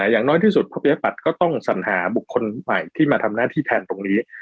อย่างน้อยที่สุดคุณประชาปัตย์ก็ต้องสัญหาบุคคลใหม่ที่มาทำหน้าที่แทนตรงนี้